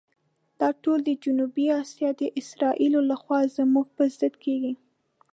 دا ټول د جنوبي آسیا د اسرائیلو لخوا زموږ پر ضد کېږي.